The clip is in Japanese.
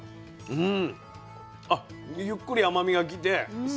うん。